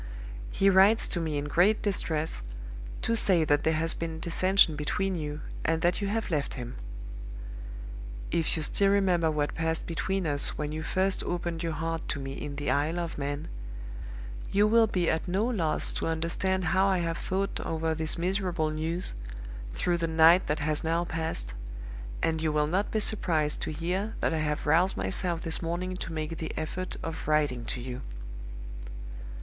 He writes to me in great distress, to say that there has been dissension between you, and that you have left him. If you still remember what passed between us, when you first opened your heart to me in the Isle of Man, you will be at no loss to understand how I have thought over this miserable news, through the night that has now passed, and you will not be surprised to hear that I have roused myself this morning to make the effort of writing to you.